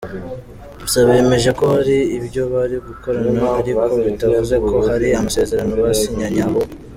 Gusa bemeje ko hari ibyo bari gukorana ariko bitavuze ko hari amasezerano basinyanye ahubwo.